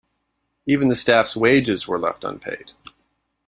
Even the staff's wages were left unpaid.